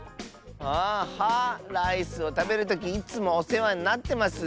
あ「は」。ライスをたべるときいつもおせわになってます！